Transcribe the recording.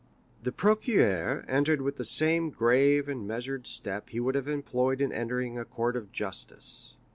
The procureur entered with the same grave and measured step he would have employed in entering a court of justice.